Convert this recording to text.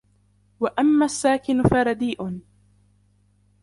وَأَمَّا السَّاكِنُ فَرَدِيءٌ